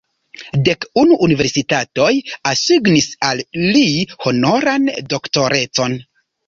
Dek unu universitatoj asignis al li honoran doktorecon.